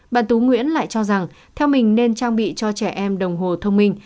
bà tú nguyễn lại cho rằng theo mình nên trang bị cho trẻ em đồng hồ thông minh